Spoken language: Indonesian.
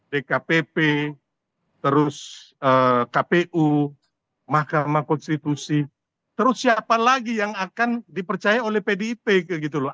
dkpp terus kpu mahkamah konstitusi terus siapa lagi yang akan dipercaya oleh pdip gitu loh